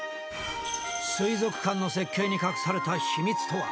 水族館の設計に隠された秘密とは。